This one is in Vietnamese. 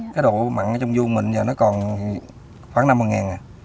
cái độ mặn trong vuông mình giờ nó còn khoảng năm ngàn nè